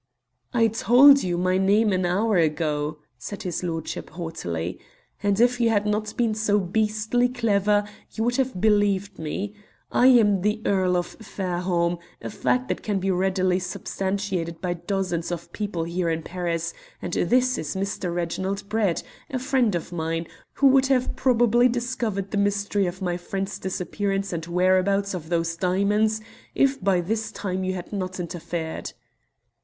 "I told you my name an hour ago," said his lordship haughtily, "and if you had not been so beastly clever you would have believed me. I am the Earl of Fairholme, a fact that can be readily substantiated by dozens of people here in Paris, and this is Mr. Reginald Brett, a friend of mine, who would have probably discovered the mystery of my friend's disappearance and the whereabouts of those diamonds by this time if you had not interfered."